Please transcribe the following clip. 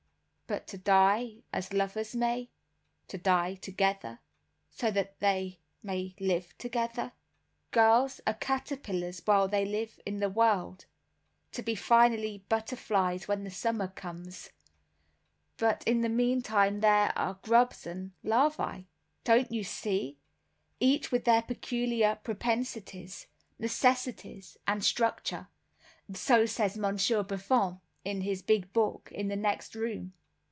"But to die as lovers may—to die together, so that they may live together. Girls are caterpillars while they live in the world, to be finally butterflies when the summer comes; but in the meantime there are grubs and larvae, don't you see—each with their peculiar propensities, necessities and structure. So says Monsieur Buffon, in his big book, in the next room."